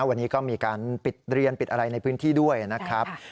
วันนี้ก็มีการปิดเรียนปิดอะไรในพื้นที่ด้วยนะครับ